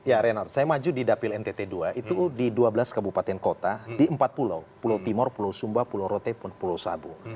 ya renard saya maju di dapil ntt dua itu di dua belas kabupaten kota di empat pulau pulau timur pulau sumba pulau rote dan pulau sabu